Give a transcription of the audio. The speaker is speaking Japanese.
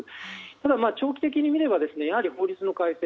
ただ、長期的に見ればやはり法律の改正